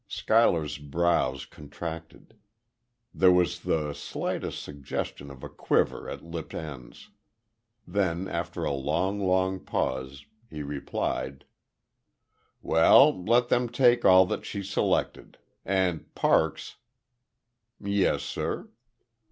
Schuyler's brows contracted; there was the slightest suggestion of a quiver at lip ends. Then, after a long, long pause, he replied: "Well, let them take all that she selected.... And Parks." "Yes, sir?"